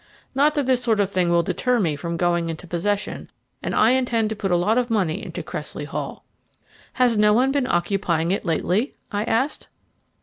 Not that this sort of thing will deter me from going into possession, and I intend to put a lot of money into Cressley Hall." "Has no one been occupying it lately?" I asked.